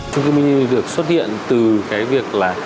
trung cư mini được xuất hiện từ cái việc là